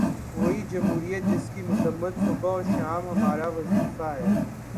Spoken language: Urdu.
وہی جمہوریت جس کی مذمت صبح و شام ہمارا وظیفہ ہے۔